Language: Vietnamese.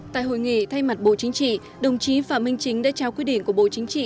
tại hội nghị thay mặt bộ chính trị đồng chí phạm minh chính đã trao quyết định của bộ chính trị